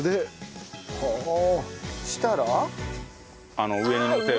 あの上にのせる。